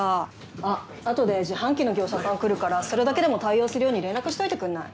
あっあとで自販機の業者さん来るからそれだけでも対応するように連絡しておいてくれない？